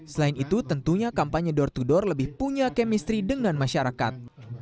selain itu tentunya kampanye door to door lebih punya kemistri dengan masyarakat